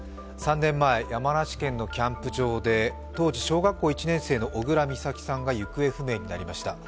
３年前、山梨県のキャンプ場で当時小学校１年生の小倉美咲さんが行方不明になりました。